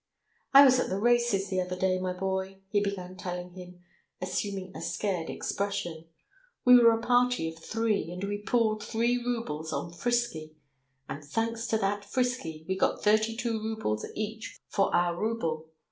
"I was at the races the other day, my boy," he began telling him, assuming a scared expression. "We were a party of three, and we pooled three roubles on Frisky. And, thanks to that Frisky, we got thirty two roubles each for our rouble.